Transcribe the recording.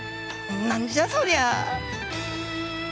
何じゃそりゃ。